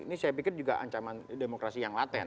ini saya pikir juga ancaman demokrasi yang laten